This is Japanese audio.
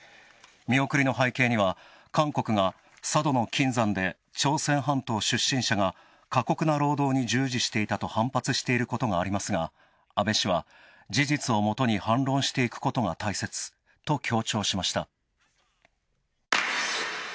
見送りの背景には韓国が佐渡の金山で朝鮮半島出身者が過酷な労働に従事していたと反発していることがありますが、安倍氏は事実をもとに反論していくことが大切と強調しました。